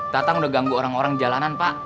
tatang udah ganggu orang orang jalanan pak